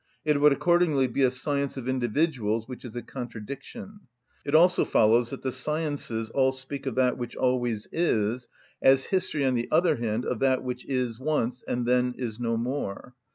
It would accordingly be a science of individuals, which is a contradiction. It also follows that the sciences all speak of that which always is as history, on the other hand, of that which is once, and then no more.